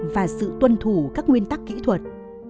và sự tuân thủ các nguyên tắc kỹ thuật